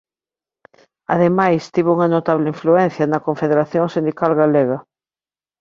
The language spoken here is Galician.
Ademais tivo unha notable influencia na Confederación Sindical Galega.